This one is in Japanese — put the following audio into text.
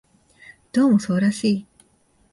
どうもそうらしい